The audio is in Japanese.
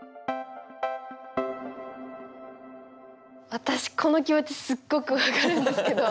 私この気持ちすっごく分かるんですけど。